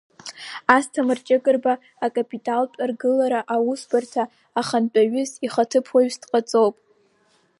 Асҭамыр Џьыкырба акапиталтә ргылара Аусбарҭа ахантәаҩы ихаҭыԥуаҩыс дҟаҵоуп…